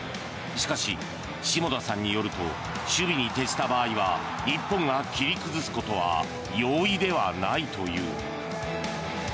しかし下田さんによると守備に徹した場合は日本が切り崩すことは容易ではないという。